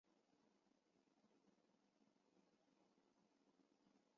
其后改制为中原大学。